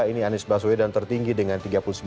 ini anies baswedan tertinggi dengan tiga puluh sembilan